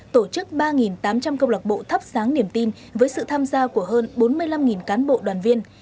tổ chức ba tám trăm linh câu lạc bộ thắp sáng niềm tin với sự tham gia của hơn bốn mươi năm cán bộ đoàn viên